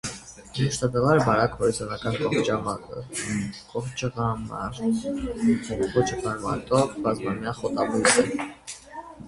Մշտադալար, բարակ հորիզոնական կոճղարմատով բազմամյա խոտաբույս է։